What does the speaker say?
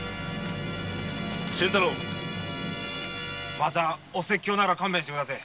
またお説教なら勘弁してくだせえ。